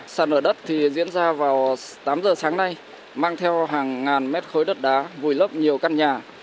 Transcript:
sạt lở đất thì diễn ra vào tám giờ sáng nay mang theo hàng ngàn mét khối đất đá vùi lấp nhiều căn nhà